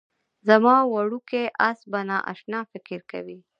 زما وړوکی اس به نا اشنا فکر کوي